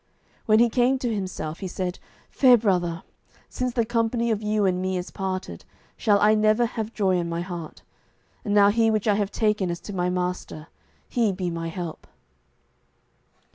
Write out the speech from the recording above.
When he came to himself he said, "Fair brother, since the company of you and me is parted, shall I never have joy in my heart; and now He which I have taken as to my Master, He be my help."